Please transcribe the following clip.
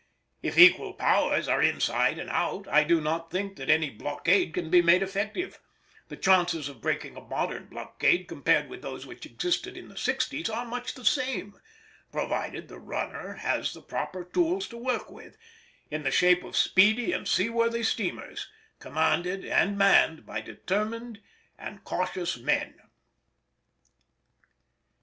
If equal powers are inside and out, I do not think that any blockade can be made effective; the chances of breaking a modern blockade compared with those which existed in the sixties are much the same, provided the runner has the proper tools to work with, in the shape of speedy and seaworthy steamers commanded and manned by determined and cautious men.